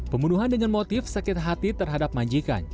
pembunuhan dengan motif sakit hati terhadap majikan